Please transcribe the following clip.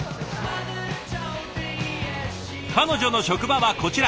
彼女の職場はこちら。